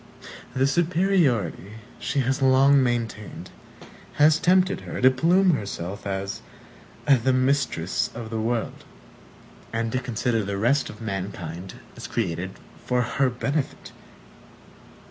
The superiority she has long maintained has tempted her to plume herself as the Mistress of the World, and to consider the rest of mankind as created for her benefit.